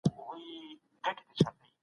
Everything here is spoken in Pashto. نعناع د معدې لپاره ګټوره ده.